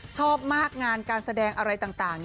ชอบมากงานการแสดงส่วนสวง